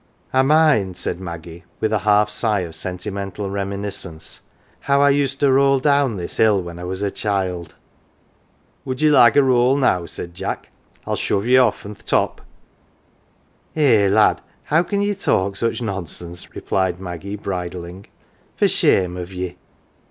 " I mind, 11 said Maggie, with a half sigh of sentimental reminiscence, " how I used to roll down this hill when I was a child." " Would ye like a roll now ?" said Jack ;" I'll shove ye off from th 1 top."" "Eh, lad, how can ye talk such nonsense,"" replied Maggie bridling ;" for shame of ye